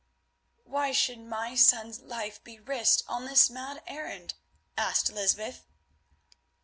"Why should my son's life be risked on this mad errand?" asked Lysbeth.